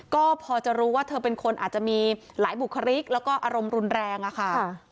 ก็พอจะรู้ว่าเธอเป็นคนอาจจะมีหลายบุคลิกแล้วก็อารมณ์รุนแรงอะค่ะ